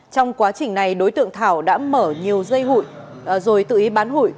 trong quá trình này đối tượng thảo đã mở nhiều dây hụi rồi tự ý bán hụi